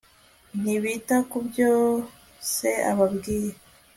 ntibita ku byo se ababwiye